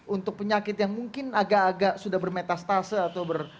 untuk penyakit yang mungkin agak agak sudah bermetastase atau